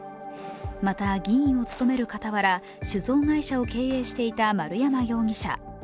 また、議員を務める傍ら、酒造会社を経営していた丸山容疑者。